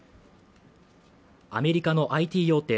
アメリカのＩＴ大手